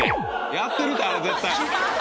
やってるってあれ絶対。